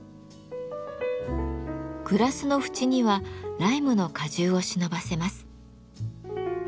グラスの縁にはライムの果汁をしのばせます。